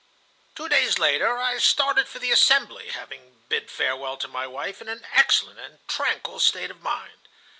"Two days later I started for the assembly, having bid farewell to my wife in an excellent and tranquil state of mind.